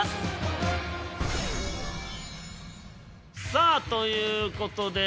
さあという事で